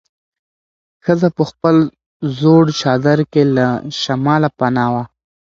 ښځه په خپل زوړ چادر کې له شماله پناه وه.